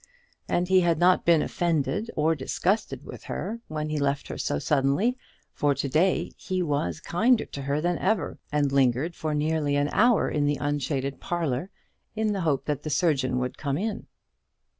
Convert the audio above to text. and he had not been offended or disgusted with her when he left her so suddenly; for to day he was kinder to her than ever, and lingered for nearly an hour in the unshaded parlour, in the hope that the surgeon would come in.